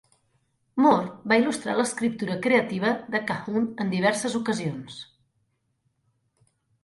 Moore va il·lustrar l'escriptura creativa de Cahun en diverses ocasions.